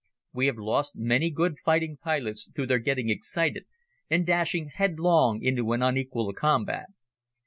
We have lost many good fighting pilots through their getting excited and dashing headlong into an unequal combat.